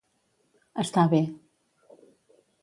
Estar bé.